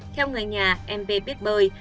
theo người nhà em b biết bơi